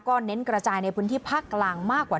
เน้นกระจายในพื้นที่ภาคกลางมากกว่า